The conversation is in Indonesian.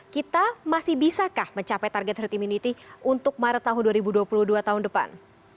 kita masih bisakah mencapai target herd immunity untuk maret tahun dua ribu dua puluh dua tahun depan